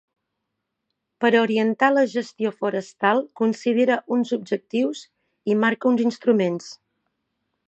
Per orientar la gestió forestal considera uns objectius, i marca uns instruments.